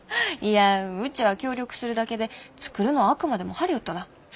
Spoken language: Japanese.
いやうちは協力するだけで作るのはあくまでもハリウッドなん。